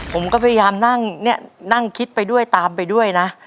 ผมก็พยายามนั่งเนี่ยนั่งคิดไปด้วยตามไปด้วยนะ